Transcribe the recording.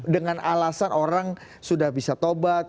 dengan alasan orang sudah bisa tobat